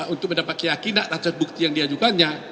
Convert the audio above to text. untuk mendapat keyakinan atas bukti yang diajukannya